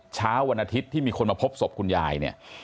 เช้าวันอาทิตย์ที่มีคนมาพบศพคุณยายเนี่ย